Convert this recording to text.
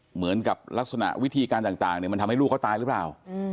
เหมือนกับลักษณะวิธีการต่างมันทำให้ลูกเขาตายหรือเปล่า